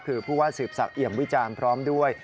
คือผู้ว่าสืบศักดิมวิจารณ์พร้อมด้วย